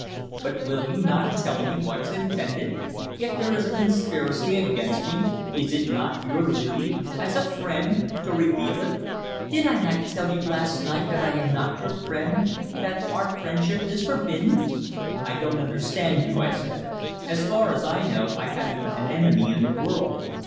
"But will you not tell me what is intended? If there is a conspiracy against me, is it not your duty, as a friend, to reveal it?" "Did I not tell you last night that I am not your friend that our friendship is forbidden?" "I don't understand you," I said. "As far as I know, I haven't an enemy in the world.